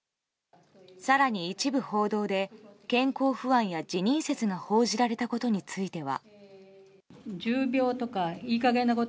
更に一部報道で健康不安や辞任説が報じられたことについては。